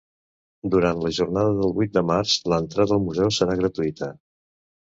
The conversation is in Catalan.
Durant la jornada del vuit de març l'entrada al Museu serà gratuïta.